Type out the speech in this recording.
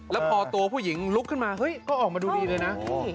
แล้วพอตัวผู้หญิงลุกขึ้นมาเฮ้ยก็ออกมาดูดีเลยนะ